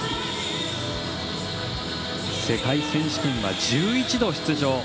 世界選手権は１１度出場。